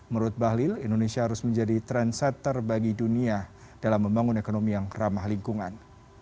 menurut bahlil indonesia harus menjadi trendsetter bagi dunia dalam membangun ekonomi yang ramah lingkungan